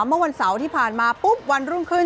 เมื่อวันเสาร์ที่ผ่านมาปุ๊บวันรุ่งขึ้น